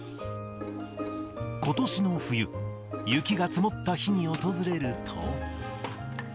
ことしの冬、雪が積もった日に訪れると。